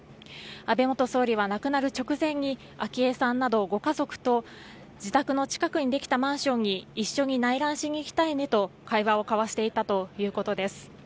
安倍元総理は亡くなる直前に昭恵さんなどご家族と自宅の近くにできたマンションに一緒に内覧しに行きたいねと会話を交わしていたということです。